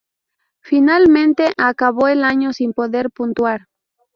Finalmente, acabó el año sin poder puntuar.